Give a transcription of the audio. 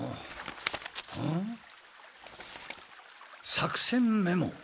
作戦メモ。